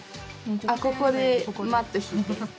あここでマットひいて。